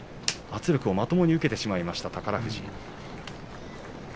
圧力を、まともに受けてしまいました、宝富士です。